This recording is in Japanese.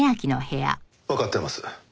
わかってます。